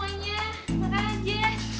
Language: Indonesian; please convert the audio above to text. makan makan makan semuanya